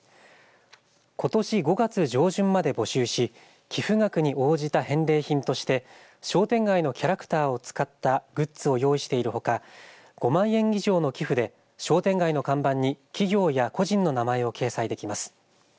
ことし５月上旬まで募集し寄付額に応じた返礼品として商店街のキャラクターを使ったグッズを用意しているほか５万円以上の寄付で商店街の看板に企業や個人の名前を掲載できます。